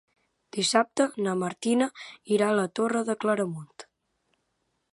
Dissabte na Martina irà a la Torre de Claramunt.